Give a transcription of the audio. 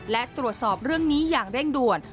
และตรวจสอบเรื่องนี้อย่างเร่งด่วน